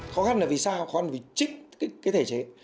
khó khăn là vì sao khó khăn vì trích cái thể chế